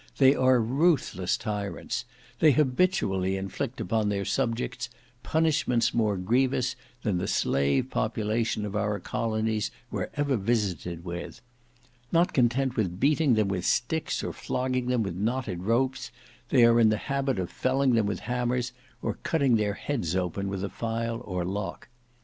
They are ruthless tyrants; they habitually inflict upon their subjects punishments more grievous than the slave population of our colonies were ever visited with; not content with beating them with sticks or flogging them with knotted ropes, they are in the habit of felling them with hammers, or cutting their heads open with a file or lock.